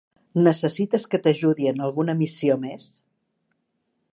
Necessites que t'ajudi en alguna missió més?